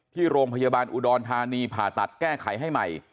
ที่โรงพยาบาลอุดรธานีผ่าตัดแก้ไขให้ใหม่